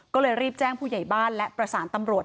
ก็เลยรีบแจ้งผู้ใหญ่บ้านและประสานตำรวจ